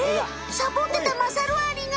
サボってたまさるアリが。